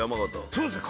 そうですね。